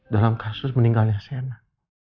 dalam kasus meninggalnya sienna